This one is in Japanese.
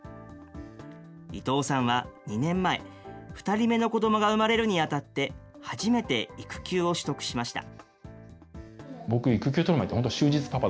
伊藤さんは２年前、２人目の子どもが産まれるにあたって、初めて育休を取得しました。